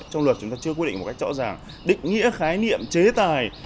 trong luật chúng ta chưa quy định một cách rõ ràng định nghĩa khái niệm chế tài